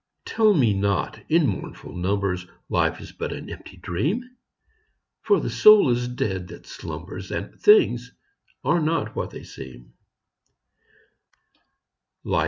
Tell me not, in mournful numbers, Life is but an empty dream ! For the soul is dead that slumbers. And things are not what they seem.